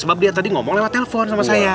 sebab dia tadi ngomong lewat telepon sama saya